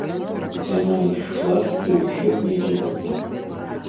Яна ішла, і ўсё недзе гуло.